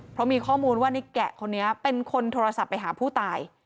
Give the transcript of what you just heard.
เพราะมีข้อมูลว่าในแกะคนนี้เป็นคนโทรศัพท์ไปหาผู้ตาย